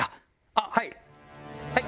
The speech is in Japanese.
あっはい？